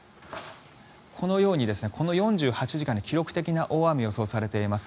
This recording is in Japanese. このようにこの４８時間で記録的な大雨が予想されています。